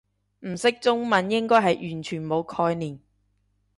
唔識中文應該係完全冇概念